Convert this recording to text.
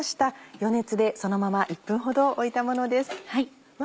余熱でそのまま１分ほど置いたものです。わ！